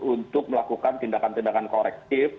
untuk melakukan tindakan tindakan korektif